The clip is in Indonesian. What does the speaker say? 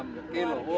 pak kepala pelabuhan ya